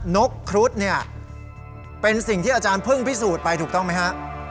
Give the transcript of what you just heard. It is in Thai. นกครุฑเนี่ยเป็นสิ่งที่อาจารย์เพิ่งพิสูจน์ไปถูกต้องไหมฮะ